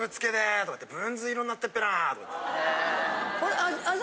これ。